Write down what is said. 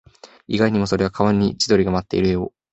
意外にも、それは川に千鳥が舞っている絵を